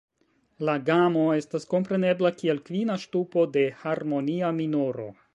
La gamo estas komprenebla kiel kvina ŝtupo de harmonia minoro.